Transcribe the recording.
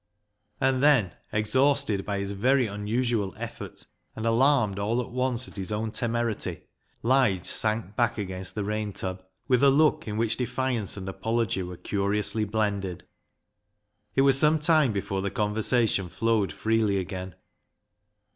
" And then, exhausted by his very unusual effort, and alarmed all at once at his own temerity, Lige sank back against the rain tub, with a look in which defiance and apology were curiously blended. It was some time before the conversation flowed freely again.